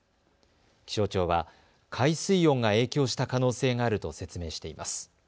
気象庁は海水温が影響した可能性があると説明しています。